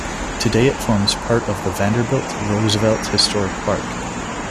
Today it forms part of the Vanderbilt-Roosevelt Historic Park.